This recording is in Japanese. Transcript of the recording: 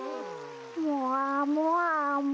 もわもわも。